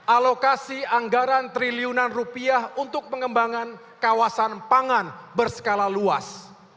alokasi anggaran triliunan rupiah untuk pengembangan kawasan pangan berskala luas